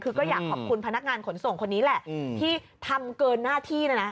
คือก็อยากขอบคุณพนักงานขนส่งคนนี้แหละที่ทำเกินหน้าที่นะนะ